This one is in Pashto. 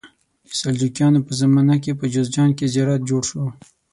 د سلجوقیانو په زمانه کې په جوزجان کې زیارت جوړ شو.